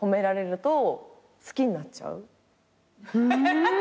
アハハハ